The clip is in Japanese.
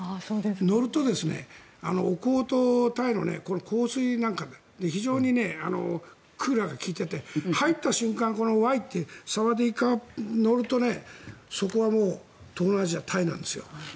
乗るとお香とタイの香水なんか非常にクーラーが利いていて入った瞬間サワディーカーと乗ると、そこはもう東南アジアタイなんですよ。